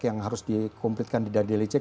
yang harus dikomplitkan di daily check